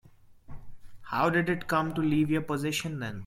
How did it come to leave your possession then?